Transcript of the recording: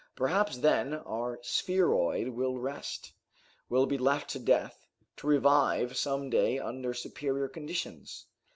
Perhaps then, our spheroid will rest will be left to death to revive some day under superior conditions!